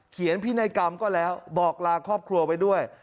พินัยกรรมก็แล้วบอกลาครอบครัวไว้ด้วย